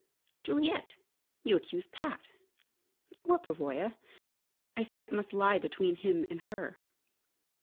"Juliet! You accuse Pat " "Or Pavoya. I said it must lie between him and her."